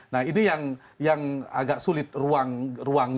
nah ini yang agak sulit ruangnya